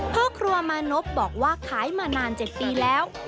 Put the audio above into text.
พ่อครัวมานพบอกว่าขายมานาน๗ปีแล้ว